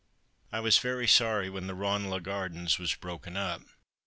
I was very sorry when the Ranelagh Gardens were broken up.